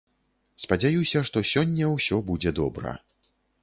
Спадзяюся, што сёння ўсё будзе добра.